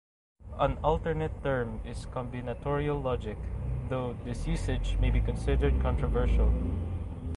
An alternate term is combinatorial logic, though this usage may be considered controversial.